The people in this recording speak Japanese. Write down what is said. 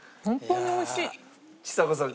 ちさ子さん